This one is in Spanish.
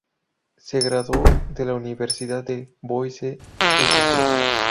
Se graduó de la Universidad de Boise St.